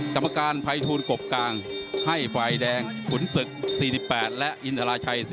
กรรมการภัยทูลกบกลางให้ฝ่ายแดงขุนศึก๔๘และอินทราชัย๔